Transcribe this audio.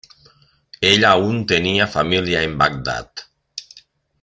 Ella aún tenía familia en Bagdad.